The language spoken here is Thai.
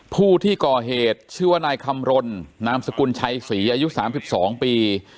ผู้ที่ก่อเหตุชื่อว่านายคำรณนามสกุลชัยศรีอายุ๓๒ปี